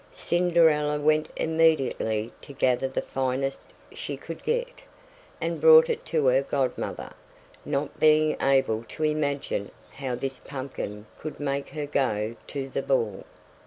Cinderella went immediately to gather the finest she could get, and brought it to her godmother, not being able to imagine how this pumpkin could make her go to the ball.